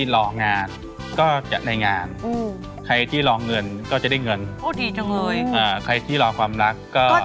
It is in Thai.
เราผ่านมากเลยครับ